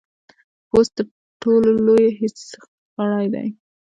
پوست ټولو لوی حسي غړی دی.